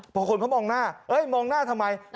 เพราะคนก็มองหน้ามองหน้าทำไม